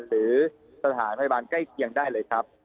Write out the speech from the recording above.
หรือสถานพยาบาลใกล้เคียงได้เลยครับ